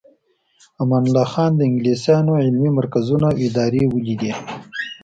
امان الله خان د انګلیسانو علمي مرکزونه او ادارې ولیدې.